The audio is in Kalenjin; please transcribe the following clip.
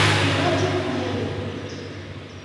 Kimachin inyendet kityo